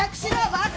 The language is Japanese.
バカ！